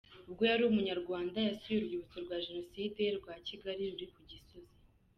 Ubwo yari mu Rwanda yasuye urwibutso rwa Jenoside rwa Kigali ruri ku Gisozi.